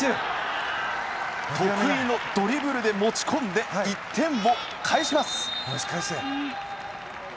得意のドリブルで持ち込んで１点を返します。